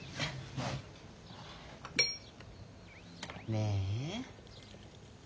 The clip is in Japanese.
ねえ。